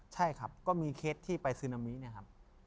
ใช่ครับก็มีเคสที่ไปซึนามิเนี่ยครับ